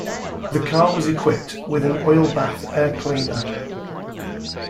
The car was equipped with an oil bath air cleaner.